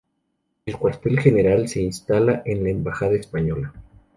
El cuartel general se instala en la embajada española.